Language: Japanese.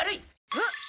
えっ？